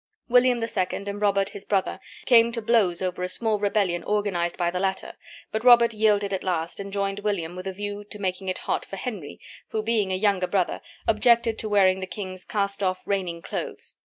William II. and Robert his brother came to blows over a small rebellion organized by the latter, but Robert yielded at last, and joined William with a view to making it hot for Henry, who, being a younger brother, objected to wearing the king's cast off reigning clothes.